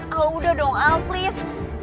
kalo udah dong al please